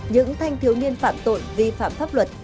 những thanh thiếu niên phạm tội vi phạm pháp luật